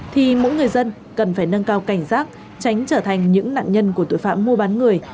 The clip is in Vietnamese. thì mỗi người dân cần phải nâng cao cảnh giác tránh trở thành những nạn nhân của tội phạm mua bán người